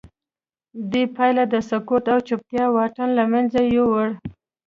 دې پله د سکوت او چوپتیا واټن له منځه یووړ